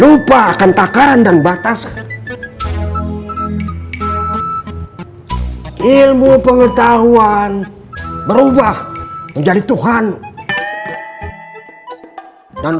lupa akan takaran dan batasan ilmu pengetahuan berubah menjadi tuhan dan